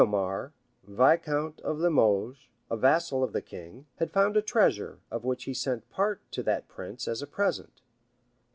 } Vidomar, viscount of Limoges, a vassal of the king, had found a treasure, of which he sent part to that prince as a present.